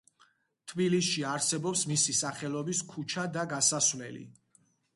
თბილისში არსებობს მისი სახელობის ქუჩა და გასასვლელი.